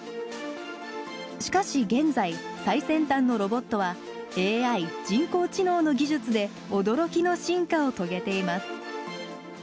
しかし現在最先端のロボットはＡＩ人工知能の技術で驚きの進化を遂げています。